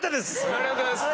ありがとうございます。